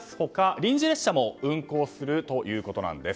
臨時列車も運行するということです。